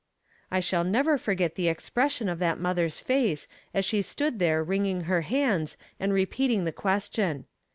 I shall never forget the expression of that mother's face as she stood there wringing her hands and repeating the question.